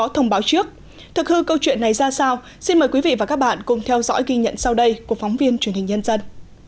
thực hư câu chuyện này ra sao xin mời quý vị và các bạn cùng theo dõi ghi nhận sau đây của phóng viên truyền hình nhân dân